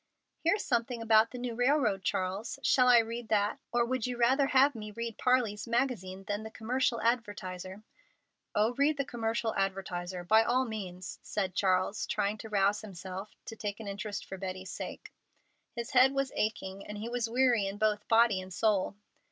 "Here's something about the new railroad, Charles. Shall I read that, or would you rather have me read Parley's Magazine than the Commercial Advertiser?" "Oh, read the Commercial Advertiser, by all means," said Charles, trying to rouse himself to take an interest for Betty's sake. His head was aching, and he was weary in both body and soul.